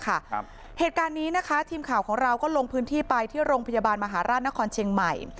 เหตุการณ์นี้นะคะทีมข่าวของเราก็ลงพื้นที่ไปที่โรงพยาบาลมหาราชนครเชียงใหม่